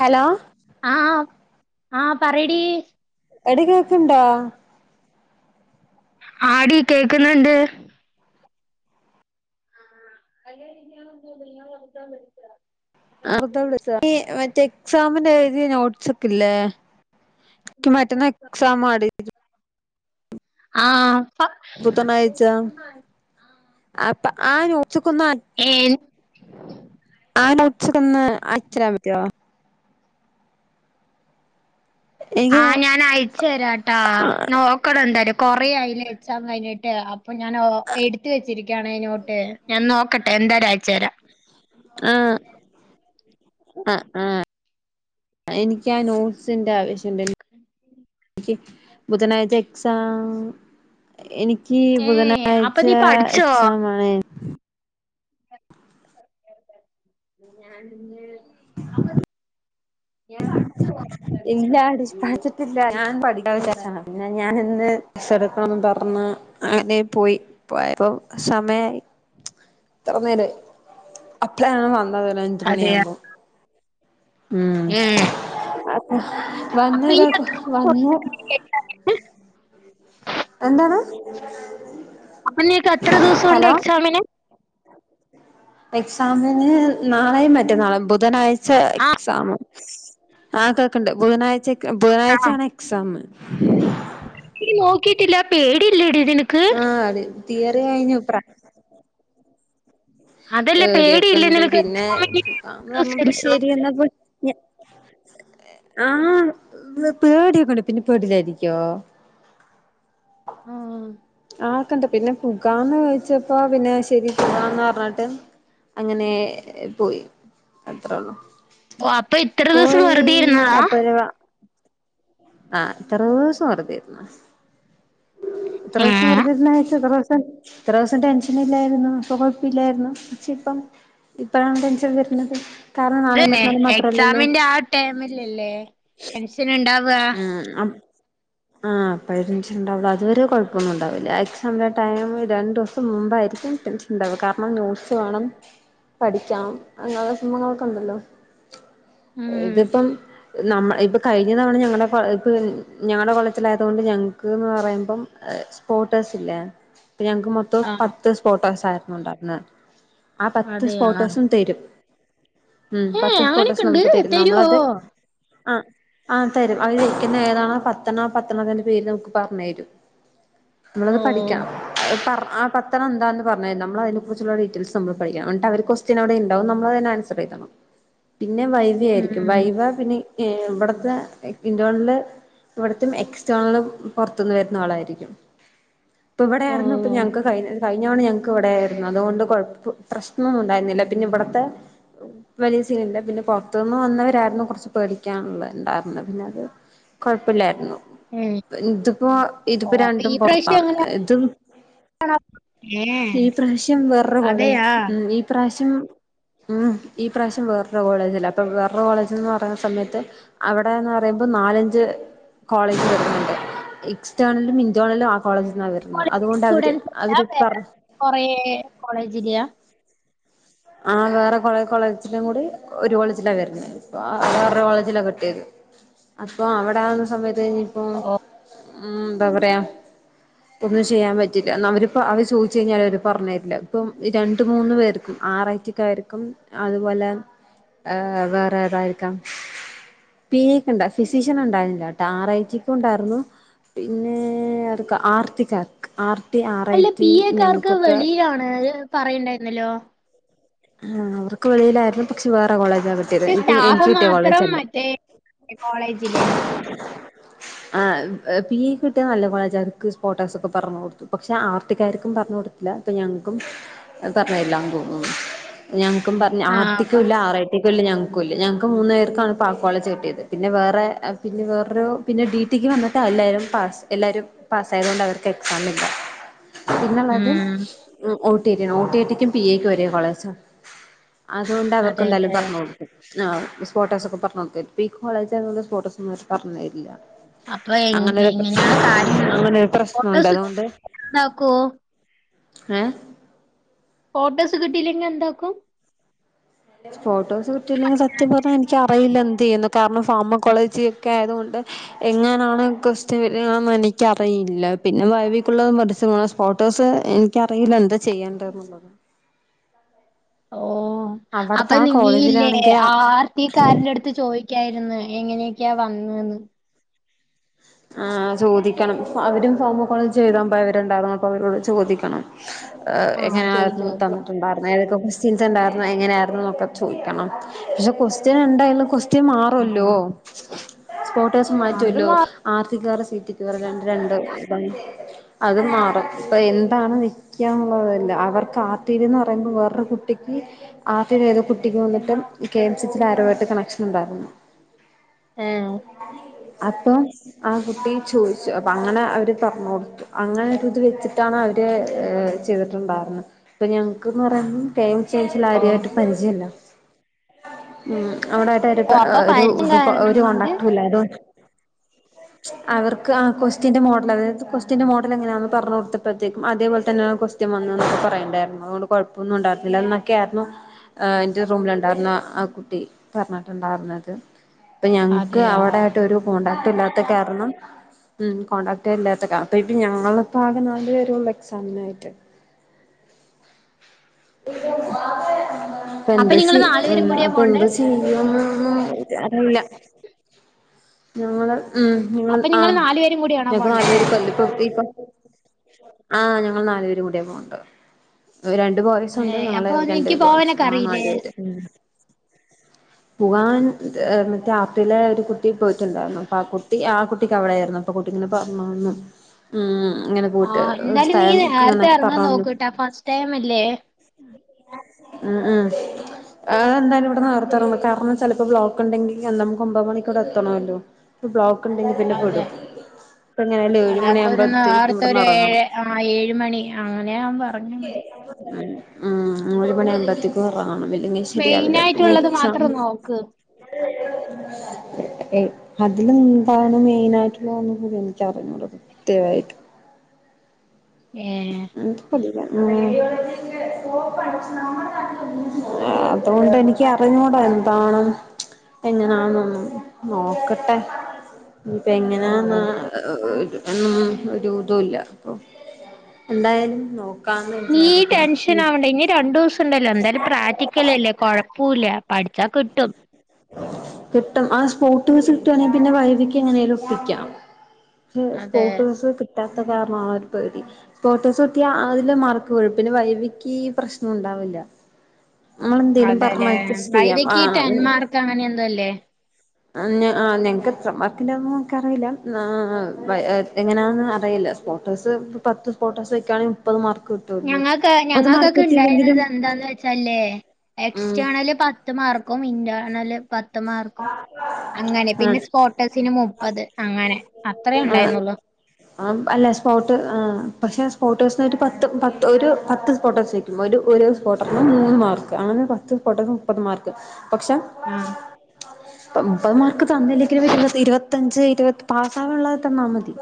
Hello ആഹ് ആഹ് പറെടി എടീ കേക്ക്ണ്ടോ? ആഹ് ടി കേക്ക്ന്ന്ണ്ട്. [unintelligible] നീ മറ്റേ എക്സാമിനെഴ്തിയ നോട്ട്സൊക്കെല്ലേ ഇക്കി മാറ്റെന്നാ എക്സാമാടി. ആഹ് ബുധനാഴ്ച അപ്പ ആ നോട്സൊക്കൊന്ന ഏൻ ആ നോട്ട്സൊക്കൊന്ന് അയച്ചെരാൻ പറ്റോ? എനിക്ക് ആഹ് ഞാനയച്ചെരാട്ടാ ആഹ് നോക്കണന്തായാലും കൊറെ ആയിലെ എക്സാം കഴിഞ്ഞിട്ട് അ അപ്പൊ ഞാനോ എട്ത്ത് വെച്ചിരിക്കയാണെ നോട്ട് ഞാൻ നോക്കട്ടെ എന്താലു അയച്ചെരാ. എഹ് അഹ് ആഹ് ഇൻക്കാ നോട്ട്സിന്റെ ആവശ്യണ്ടെയ്നി ഇൻക്കി ബുധനാഴ്ച എക്സാം എനിക്കീ ഏ അപ്പൊ ബുധനാഴ്ച നീ പഠിച്ചോ എക്സാമാണ്. ഞാനിന്ന് യമ്മോ ഇല്ലടി പഠിച്ചിട്ടില്ല ഞാൻ പഠിക്കാൻ വിചാര്ച്ച [unintelligible] ണ് പിന്നെ ഞാനിന്ന് സൊറൊക്കോന്നും പർഞ്ഞ് അങ്ങനെ പോയി പോയപ്പോ സമയായി ഇത്രനേര അപ്പഴാ ഞാൻ വന്നത് ഒരഞ്ച് അതെയ മണിയാവുമ്പോം. ഉം ഏ അപ്പം അപ്പൊ വന്നു ഇനി കാക്ക എത്ര വന്നു. എന്താണ് അപ്പം നിനക്ക് എത്ര ദിവസൂണ്ട് ഹലോ എക്സാമിന്? എക്സാമിന് നാളെ മറ്റന്നാളോ ബുധനാഴ് ച്ച എക്സാംമ് ആഹ് കേൾക്ക്‌ണ്ട് ബുധനാഴ്ചക്ക്‌ ആഹ് ബുധനാഴ്ച്ചേണ് എക്സാം നീ നോക്കിട്ടില്ല പേടിയില്ലെടി നിനക്ക്. ആഹ് ടീ തീയറി കഴിഞ്ഞു പ്രാ അതല്ല പേടിയില്ലേ പേട്യൊക്കെണ്ട് നിനക്ക് പിന്നെ ഞാ പർഞ്ഞപ്പോ എക്സാമിന് ശെരിയെന്നാ പ്പ [unintelligible] ആഹ് പേട്യൊക്കെണ്ട് പിന്നെ പേടില്ലായിരിക്കോ? ഉം ആ ഒക്കെണ്ട് പിന്നെ പുകാന്ന് ചോദിച്ചപ്പോ പിന്നെ ശെരി പുകാന്ന് പർഞ്ഞാട്ട് അങ്ങനെ പോയി അത്രൊള്ളൂ. ഓ അപ്പൊ ഇത്ര ദിവസം പോയി വെറുതെ ഇരുന്നതാ [unintelligible] വാ ആഹ് ഇത്രൂസം വെറ്തെയിര്ന്നു. ഇത്രൂസം ഏഹ് വെറ്തെ ഇരുന്ന് വെച്ച് എത്രൂസം. ഇത്രേസം ടെൻഷനില്ലായിരുന്നു അപ്പോ കൊഴപ്പില്ലായിര്ന്നു പക്ഷെ ഇപ്പം ഇപ്പഴാണ് ടെൻഷൻ വര്ന്നത്. അതെന്നെ എക്സാമിന്റെ ആ ടൈമിലല്ലേ ടെൻഷന്ണ്ടാ ഉം അ ആ അപ്പോഴച്ചിട്ടുണ്ടാവുള്ളൂ അതുവരെ കുഴപ്പമൊന്നും ഉണ്ടാവില്ല എക്സാമൻ്റെ ടൈം രണ്ട് ദിവസം മുമ്പായിരിക്കും ചിന്ത കാരണം ന്യൂസ് വേണം പഠിക്കാം അങ്ങനെയുള്ള സിഹങ്ങളൊക്കെ ഉണ്ടല്ലോ ഉം ഇതിപ്പം ന ഇപ്പ കഴിഞ്ഞ തവണ ഞങ്ങ ഞ ഇപ്പ ഞങ്ങളുടെ കൊളത്തിലായത കൊൊണ്ട് ഞങ്ങക്ക്ന്ന് പറയുമ്പം സ്പോർട്ടേസ് ഇല്ലേ പിന്നെ ഞങ്ങൾക്ക് മ ആ പത്ത് സോട്ടോസ ആരുന്നുണ്ടായിരുന്നത് ആ പത്ത് അതെയാ സോട്ടോസും തരും ഉം ഏഹ് പത്ത് അങ്ങനെയൊക്കെ ഫോട്ടോസ് ഉണ്ട് നമുക്ക് തരുന്നു തരുവോ നമ്മളത് ആ ആ തരം അത് വക്കുന്ന ഏതാണോ പത്തണ പത്തണത്തിന്റെ പേര് നമുക്ക് പറഞ്ഞു തരും നമ്മളത് ഓ പഠിക്കണം ആ പത്തം എന്താണന്ന് പറഞ്ഞത് നമ്മള അതിനെ കുറിച്ചുള്ള ഡീറ്റെയിൽസ് നമ്മൾ പഠിക്കണം എന്നി് അവർ പിന്നെ അവിടെ ഉണ്ടാവാം നമ്മൾ? തന്നെ ആായിരിക്കും ഉം വൈവ പിന്നെ ഇവിടത്തെ ഇന്റേർണല് ഇവിടത്തെും എക്സ്റ്റേണല് പുറത്തുന്ന് വരുന്ന ആളായിരിക്കും ഇപ്പ ഓ ഇവിടൊയിരുന്നു ഇപ്പൾ ഞങ്ങൾക്ക് കഴ കഴിഞ്ഞാണ് ഞങ്ങക്ക് ഇവിടെയായിരുന്നു അതുകൊണ്ട് കൊഴ പ്രശ്നം ഒന്നും ഉണ്ടായിരുന്നില്ല പിന്നെ ഇവിടത്തെ വലി സീലില്ല പിന്നെ പുറത്തുനിന്ന് വന്നവരായിരുന്നു കൊറച്ച് പേടിക്കാനുള്ളത് ഇണ്ടായിരുന്നു പിന്നെ അത് കൊഴപ്പില്ലായിരുന്നു ഏഹ് ഇതിപ്പോ ഓ ഇതിപ്പോ രണ്ടും പൊറത്താണ് ഇതും ആ ഈ പ്രാവശ്യം വേറരു കോള ഉ ഈ പ്രാവശ്യം ഉം ഈ പ്രാവശ്യം വേറൊരു കോളേജ്ല്ല അപ്പൊ വേറൊരു കോളേജ് എന്ന് പറയുന്ന സമയത്ത് അവിടെന്ന് പറയുമ്പോ നാലഞ്ച് കോളേജ് വരുന്നുണ്ട് റ്റേണലും ഇന്റർണലും ആ കോളേജിൽന്നാണ് വരുന്നത് അതുകൊണ്ട് അവര് അവര് പറ കൊറ കോളേജില്ല ആ വേറെള കോളേജിലും കൂടി ഒരു കോളേജിലാ വരുന്ന അവരുടെ കോളേജില കിട്ടിയത് അപ്പൊ അവിടെ ആവുന്ന സമയത്ത് കഴിഞ്ഞ ഇപ്പോൊ ഓ ഉം എന്താ പറ പറയാ ഒന്നും ചെയ്യാൻ പറ്റില്ല എന്ന അവർപ്പ അവർ ചോദിച്ചു കഴിഞ്ഞാൽ അവർ പറഞ്ഞു തരില്ല ഇപ്പം രണ്ട് മൂന്ന് പേർക്കും ആററ്റക്കായിരിക്കും അതുപോലെ വേറെ ഏതായിരിക്കാം പി എക്ക ഉണ്ട ഫിസിഷ്യൻ ഉണ്ടായിരുന്നോട്ട് ആർ ഐറ്റിക്ക് ഉണ്ടായിരുന്നു പിന്നെ അതൊക്കെ ആർത്തി കക്ക് ആർത്തി ആറ ഐറ്റ ഞങ്ങൾക്കൊക്കെ [unintelligible] പറയുണ്ടായിരുന്നല്ലോ ആ അവർക്ക് വളയിലായിരുന്നു പക്ഷെ വേറെ കോളേജ കിട്ടിയത് പക്ഷെ ഇപ്പൊ സ്റ്റാഫ് എനിക്ക് കിട്ടിയ മാത്രം കോളേജല്ല മറ്റേ കോളേജിലെ പി എ കിട്ടിയൽ നല്ല കോളേജാർക്ക് സ്പോട്ടാക്സക്കെ പറഞ്ഞഞ് കൊടുത്തു പക്ഷെ ആർട്ടിക്കാർക്കും പറഞ്ഞഞ് കൊടുത്തു അപ്പ ഞങ്ങൾക്കും പറഞ്ഞ എല്ലാം ത ഞങ്ങൾക്കും പറഞ്ഞ ആഹ് അപ്പ ആർട്ടക്കല്ല ആറായി കുട്ടിക്കല്ല ഞങ്ങൾക്കല്ല ഞങ്ങക്ക് മൂന്ന് പേർക്കാണ് പാക്കോള കെട്ടിയത് പിന്നെ വേറെ പിന്നെ വേറൊരു പിന്നെ ഡി റ്റിക്ക് വന്നിട്ട് എല്ലാവരും പാസ് എല്ലാവരും പാസ്സയത കൊൊണ്ട് അവർക്ക് എക്സാാം ഇില്ല പിന്നുള്ളത് ഉം ടി റ്റക്കും പി എക്ക് വരിയ കോളേജാണ് അതുകൊണ്ട് അവർക്ക എന്താലും അതെല്ലേ പറഞ്ഞുള്ളും ആഹ് സ്പോർട്ടസ ഒക്കെ പറഞ്ഞത്ത ഈ കോളേജ് സ്പോട്ടസ്ന്ന പറഞ്ഞ തരില്ല അപ്പൊ എങ് അങ്ങനെരു പ്രശ്ന എങ്ങനെയാണ് കാര്യങ്ങള് അങ്ങനെരു പ്രശ്നം? ഉണ്ട് ഫോട്ടോസ് അതുകൊണ്ട് എന്താക്കോ ഏഹ് ഫോട്ടോസ് കിട്ടിയില്ലെങ്കിൽ എന്താക്കും ഫോട്ടോസ് കിട്ടിയില്ലെങ്കിൽ സത്യം പറഞ്ഞ എനിക്ക അറിയില്ല എന്ത് ഒക്ക കാരണം ഫാർമകോളേജി ഒക്കെ ആയതുകൊണ്ട് എങ്ങനാണ് ക്രിസ്റ്റന്ന് എനക്ക്റിയില്ല പിന്നെ വൈബിക്കുള്ളതും പരസ്യ ഫോട്ടോസ് എനിക്കറിയില്ല എന്താ ചെയ്യേണ്ട എന്നുള്ളത് ഓഹ് അവിടുത്തെ അപ്പൊ ആ നീ ഇല്ലേ കോളേജിലാണെങ്കിൽ ആർത്തിക്കാരന്റെ അടുത്ത് ചോയി ക്കായിരുന്നു എങ്ങനെയൊക്കെയാ വന്ന്ന്ന് ആ ചോദിക്കണം അവരും [unintelligible] അവരോട് ചോദിക്കണം ആഹ് എങ്ങനാ ചോദിച്ചോക്ക് തന്നിട്ടുണ്ടായിരുന്നേ ഏതൊക്കെ ചിന്ത ഇണ്ടായിരുന്നു എങ്ങനെയായിരുന്നു എന്നൊക്കെ ചോദിക്കണം പക്ഷെ ക്വസ്റ്റ്യൻ എന്തായാലും ക്വസ്റ്റ്യൻ മാറല്ലോ ആഹ് ഫോട്ടോസും അത് മാറ്റുവല്ലോ മാ ആർസിക്കാർടെ സീറ്റ് ഇത് പോലെ രണ്ട് രണ്ട് വർഷം അത് മാറും ഇപ്പ എന്താണ് ന്നുള്ളതല്ല അവർ [unintelligible] പറയുമ്പോ വേറൊരു കുട്ടിക്ക് ആദ്യം ഏതോ കുട്ടിക്ക് വന്നിട്ട് കെ എം സി ൽ ആരോ ആയിട്ട് കണക്ഷൻ ഉണ്ടായിരുന്നു ഏഹ് അപ്പം ആ കുട്ടി ചോദിച്ചു അപ്പ അങ്ങനെ അവര് പറഞ്ഞു കൊടുത്തു അങ്ങനെ ഒരു ഇത് വെച്ചിട്ടാണ് അവര് ഏഹ് ചെയ്തിട്ടുണ്ടായിരുന്നെ ഇപ്പൊ ഞങ്ങക്ക്ന്ന് പറഞ്ഞാ ടൈം ചേഞ്ചിൽ ഓഹ് ആരായിട്ട് പരിചയല്ല അവിടെ ആരെ ഒരു ഓഹ് അപ്പൊ ഒരു പരിചയം കാരണം ഒരു കൊണ്ട് കോണ്ടാക്ടുല്ല അത്കൊ അവർക്ക് ആ കൊസ്റ്റ്യന്റെ മോഡൽ അതായത് ക്വസ്റ്റ്യന്റെ മോഡൽ എങ്ങനെയാന്ന് പറഞ്ഞ് കൊടുത്തപ്പഴ്ത്തേക്കും അതേപോലെ തന്നെയാണ് സ്റ്റ സത്യമെന്ന് പറയണ്ടായിരുന്നു അതുകൊണ്ട് കുഴപ്പൊന്നും ഉണ്ടായിരുന്നില്ല എന്നൊക്കെ ആയിരുന്നു എന്റെ റൂമിലുണ്ടായിരുന്ന ആ കുട്ടി പറഞ്ഞിട്ടുണ്ടായിരുന്നത് ഇപ്പൊ ഞങ്ങക്ക് അതെയാ അവിടായിട്ട് ഒരു കോണ്ടാക്റ്റും ഇല്ലാത്ത കാരണം ഉം കോൺടാക്റ്റ് ഇല്ലാത്തക്കെ അപ്പൊ ഇപ്പ ഞങ്ങളിപ്പ ആകെ നാല് പേരൊള്ളു എക്സാമിനായിട്ട് [inaudible] അപ്പൊ എന്താ നിങ്ങള് ചെ നാലുപേരും കൂടിയാ അപ്പൊ പോണ്ടേ എന്താ ചെയ്യാ ചെയ്യാ അറീല ഞങ്ങള് ഉം നിങ്ങള് അപ്പൊ ആ നാലുപേരും കൂടിയാണോ ഞങ്ങൾക്ക് നാല് പോണ്ടേ പേര് കൊല്ലം ഇപ്പൊ ഇപ്പൊ ആ ഞങ്ങള് നാലു പേരും കൂടെ പോകണ്ടെ രണ്ട് ബോയ്സുണ്ട് ഏഹ് ഞങ്ങള് അപ്പൊ രണ്ട് നിക്ക് ഗേൾസും പോവാനൊക്കെ ആകെ അറിയില്ലേ നാല് പേര് പോവാൻ മറ്റേ ആപ്രിലെ ഒരു കുട്ടി പോയിട്ടുണ്ടായിരുന്നോ പ്പ ആ കുട്ടി ആ കുട്ടിക്ക് അവിടെയായിരുന്നു അപ്പൊ കുട്ടിക്കിങ്ങനെ [unintelligible] ഉം ഇങ്ങനെ പോയിട്ട് ആഹ് എന്തായാലും നീ സ്ഥലം അങ്ങനെ നേരത്തെ എറങ്ങാൻ പറഞ്ഞന്ന് നോക്ക്ട്ടാ ഫസ്റ്റ് ടൈം ഇല്ലേ ഉം ഉം ആ എന്തായാലും ഇവിടെ നേർത്തെ എറങ്ങണം കാരണം ചിലപ്പോ ബ്ലോക്ക് ഇണ്ടെങ്കിൽ ആ നമുക്ക് ഒമ്പത് മണിക്ക് ഇവടെ എത്തണല്ലോ ബ്ലോക്ക് ഇണ്ടെങ്കി പിന്നെ പെടും ഇപ്പ എങ്ങനെയാലും ഏഴ് അതി അപ്പൊ മണിയാകുമ്പോഴത്തേക്കും ഒരുനേരത്തെ ഇവിടുന്ന് ഒരു ഏഴ് ഇറങ്ങണം ആ ഏഴ്മണി അങ്ങനെ പറഞ്ഞാൽ മതി ഉം ഒരു മണിയാവുമ്പത്തേക്കും ഉറങ്ങണം അല്ലെങ്കിൽ ശരിയാവില്ല പിന്നെ മെയിനായിട്ടുള്ളത് എക്സാം മാത്രം നോക്ക് അതിലെന്താണ് മെയിനായിട്ടുള്ളതൊന്നും എനിക്കറിഞ്ഞുട സത്യവായിട്ടും ഏഹ് [inaudible] അതുകൊണ്ട് എനിക്ക് അറിഞ്ഞൂടാ എന്താണ് എങ്ങനാന്നൊന്നും നോക്കട്ടെ ഇപ്പ ഓഹ് എങ്ങനാന്ന് ഓഹ് ഒന്നും ഒരുതുംല്ല അപ്പൊ എന്തായാലും നോ നീ ടെൻഷനാവണ്ട ഇനി രണ്ടു ദിവസണ്ടല്ലോ എന്തായാലും പ്രാക്ടിക്കലല്ലേ കുഴപ്പൂല്ല പഠിച്ചാ കിട്ടും കിട്ടും ആ സ്പോട്ടി വെച്ച് കിട്ടാണെങ്കി പിന്നെ വൈവക്ക് എങ്ങനേലും ഒപ്പിക്കാം പക്ഷെ അതെ സ്പോട്ട് വേസ് കിട്ടാത്ത കാരണാണ് ഒരു പേടി ഫോട്ടോസുത്തിയാ അതില് മാറി പിന്നെ വൈവിക്കീ പ്രശ്നം ഇണ്ടാവില്ല നമ്മളെന്തേലും പറഞ്ഞ് അതെല്ലേ അഡ്ജസ്റ്റ് ചെയ്യാം വൈവയ്ക്ക് ടെൻ ആഹ് മാർക്ക് അങ്ങനെ എന്തോ അല്ലേ ആ ഞങ്ങക്ക് എത്ര മാർക്കിൻ്റെ ആണെന്ന് എൻക് അറിയില്ല എങ്ങനാന്ന് അറിയില്ല ഫോട്ടോസ് പത്ത് ഫോട്ടോസ് വെക്കാണെങ്കിൽ മുപ്പത് മാർക്ക് കിട്ടും. ഞങ്ങൾക്ക് ഞങ്ങൾക്കൊക്കെ ഉണ്ടായിരുന്നത് എന്താന്ന് വെച്ചല്ലേ ഉം എക്സ്റ്റ്ണല് പ പത്ത് മാർക്കും ഇന്റേണല് പ അങ്ങനെ ആഹ് പിന്നെ സ്പോട്ടസിന് മുപ്പത് അങ്ങനെ അത്രയേ ഉണ്ടായിരുന്നുള്ളു. ആ അല്ല സ്പോട്ട് പക്ഷെ സ്പോട്ട് സിന് ഒരു പത്ത് പത്ത് ഒരു പത്ത് സ്പോട്ട്സ്. ഒരു ഒരു സ്പോട്ടറിന് മൂന്ന് മാർക്ക് അങ്ങനെ പത്ത് സ്പോട്ടറിന് മുപ്പത് മാർക്ക് പക്ഷെ ആഹ്. മുപ്പത് മാർക്ക് തന്നില്ലെങ്കില ഇരുപത്തഞ്ച് ഇരുപത്തി പാസ്സവാനള്ളത് തന്നാൽ മതി.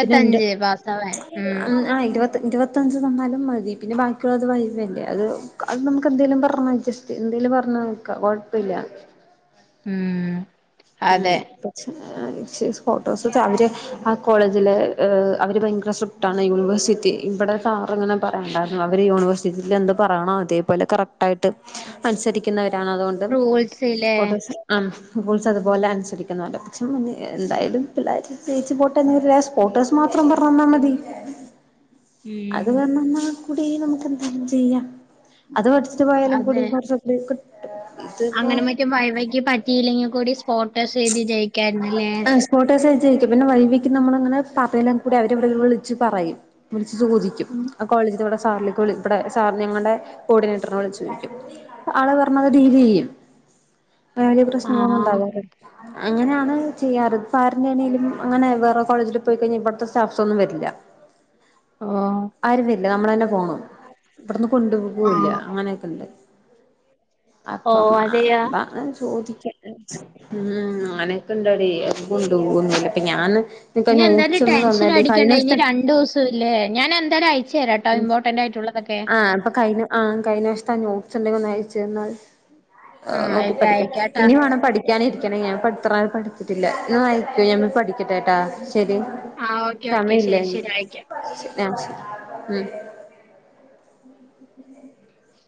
പിന്നെ എന്റെ പാസ്സാവാൻ ഉം ആ ഇരുപത്തി പരുപത്തഞ്ച് തന്നാലും മതി പിന്നെ ബാക്കിയുള്ളത് വൈവല്ലേ അത് അത് നമുക്ക്ന്തെലും പറഞ്ഞ എന്തേലും പറഞ് നോക്കാ കുഴപ്പമില്ല. ഉം ഉം അതെ ഫോട്ടോസ് അവര് ആ കോളേജില് അവര് ഭയങ്കര ട്ടാണ് യൂണിവേഴ്സിറ്റി ഇവിടെ സാർ ഇങ്ങനെ പറയാനണ്ടായിരുന്നു അവര് യൂണിവേഴ്സിറ്റിയി എന്ത് പറയണോ ഇതേപോലെ കറക്റ്റ്. ആയിട്ട് അനുസരിക്കുന്നവരാണ് അതുകൊണ്ട് റൂൾസിലെ അ അതുപോലെ അനുസരിക്കുന്ന പോലണ്ട് പക്ഷെ എന്തായാലും പിള്ളേര് ജേച്ച് പോട്ട് എന്ന ഫോട്ടോസ് മാത്രം പറഞ്ഞന്നാൽ മതി. അത് ഉം പറഞ്ഞന്നാ കൂടി നമുക്ക് എന്തേലും ചെയ്യാം. അത് പഠിച്ചിട് പോയാലും കൂടി അതെ വർഷത്തില്ക്ക് അങ്ങനെ മറ്റും വൈവൈക്ക് പറ്റിയില്ലെങ്കി കൂടി സ്പോർട്ടസ് എഴുതി ജയിക്കാാരുന്നല്ലേ. ഫോട്ടോസ് അയച്ചിരിക്കും പിന്നെ വൈവിക്ക് നമ്മളിങ്ങനെ പറയലും കൂടി അവരെവിടെ വിളച്ച് പറയും വിളിച്ചു ചോദിക്കും. കോളേജിൽ ഇവിടെ സാറിലേക്ക് ഇവിടെ സാറി ഞങ്ങളുടെ കോർഡിനേറ്ററിനെ വിളിച്ചോദിക്കും. ആള് പറഞ്ഞത് ഡീല് ചെയ്യും വലിയ പ്രശ്നങ്ങളൊന്നും ആഹ് ഉണ്ടാവാതെ അങ്ങനെയാണ് ചെയ്യാറ് സാറിന്റെറെ ആണെങ്കിലും അങ്ങനെ വേറെ കോളജിൽ പോയിക്കഴിഞ്ഞാൽ ഇവിടുത്തെ സ്റ്റാഫ്സ് ഒന്നും വരില്ല. ഓഹ് ആരുന്നില്ല നമ്മളന്നെ പോണം. ഇവിടന്ന് കൊണ്ട് പോവില്ല ആഹ് അങ്ങനെയൊക്കെ ഇണ്ട്. അപ്പം ഓഹ് അതെയാ അതാണ് ചോദിക്കൻ. ഉം അങ്ങനൊക്കെ ഇണ്ടടി കൊണ്ടോകൊന്നില്ല ഇപ്പ ഞാന്. നീ എന്തായാലും ടെൻഷൻ അടിക്കണ്ട ഇനി രണ്ടു ദിവസം ഇല്ലേ ഞാൻ എന്തായാലും അയച്ച. അയച്ചേരാ കേട്ടോ ഇമ്പോർട്ടന്റ് ആയിട്ടുള്ളതൊക്കെ. ആപ്പൊ കഴിഞ്ഞു. ആ കഴിഞ്ഞ വർഷത്ത ആ നോട്സ് ഉണ്ടെങ്കിൽ ഒന്ന അയച്ചു എന്നാൽ ആഹ് നോക്കി അയക്കാം പഠിക്കാം അയക്കാട്ടാ ഇനി വേണം പഠി ക്കാൻ ഇരിക്കണ ഞാൻ ഇത്ര പഠത്തിട്ടില്ല. ശരി പഠിക്കട്ടെട്ടാ ശരി ആഹ് ഓക്കെ ഓക്കെ സമയല്ല ശരി ഇനി. ശരി അയക്കാം ആ ശരി ഉം. ഉ